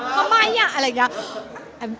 ก็ไม่เหรอไรงาน